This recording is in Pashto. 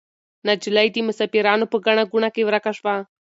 نجلۍ د مسافرانو په ګڼه ګوڼه کې ورکه شوه.